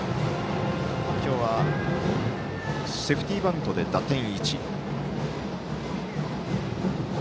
今日は、セーフティーバントで打点１。